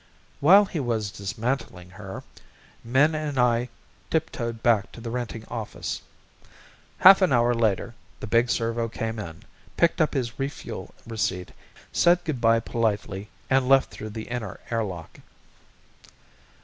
While he was dismantling her, Min and I tiptoed back to the Renting Office. Half an hour later the big servo came in, picked up his refuel receipt, said good bye politely and left through the inner airlock.